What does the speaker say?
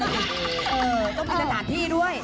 เออต้องมีตราต่างที่ด้วย